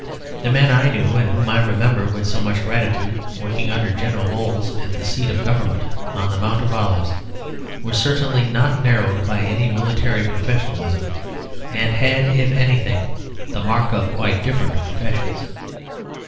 The men I knew, and whom I remember with so much gratitude, working under General Bols at the seat of government on the Mount of Olives, were certainly not narrowed by any military professionalism, and had if anything the mark of quite different professions.